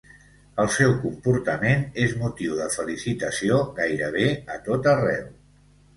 El seu comportament és motiu de felicitació gairebé a tot arreu.